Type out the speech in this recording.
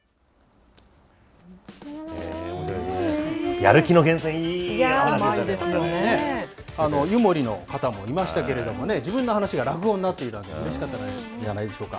やる気の源泉、湯守の方もいましたけれどもね、自分の話が落語になって、うれしかったんじゃないでしょうか。